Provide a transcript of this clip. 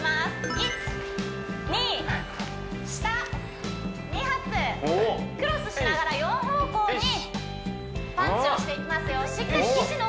１２下２発クロスしながら４方向にパンチをしていきますよ